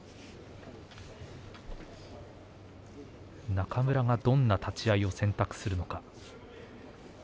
中村がどんな立ち合いを選択するのか。